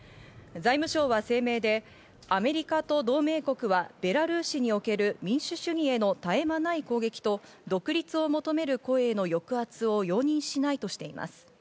財務省は声明で、アメリカと同盟国はベラルーシにおける民主主義への絶え間ない攻撃と独立を求める声への抑圧を容認しないとしています。